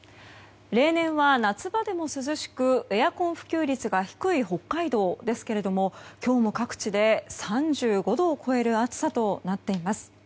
例年は、夏場でも涼しくエアコン普及率が低い北海道ですけれども今日も各地で３５度を超える暑さとなっています。